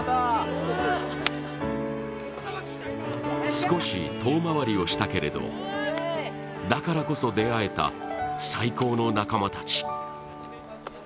少し遠回りをしたけれどだからこそ出会えた、最高の仲間たち。